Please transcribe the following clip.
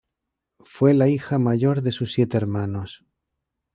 Fue la hija mayor de sus siete hermanos.